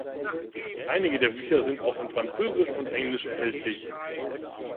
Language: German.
Einige der Bücher sind auch in französisch und englisch erhältlich.